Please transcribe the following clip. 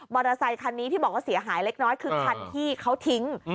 อเตอร์ไซคันนี้ที่บอกว่าเสียหายเล็กน้อยคือคันที่เขาทิ้ง